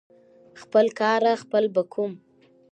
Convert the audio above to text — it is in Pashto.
خپل کاره خپل به کوم .